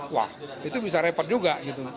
wah itu bisa repot juga gitu